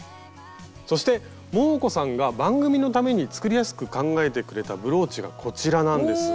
そしてモー子さんが番組のために作りやすく考えてくれたブローチがこちらなんです。